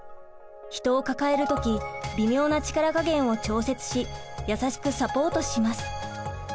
人を抱える時微妙な力加減を調節し優しくサポートします。